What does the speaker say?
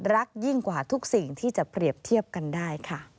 ยิ่งกว่าทุกสิ่งที่จะเปรียบเทียบกันได้ค่ะ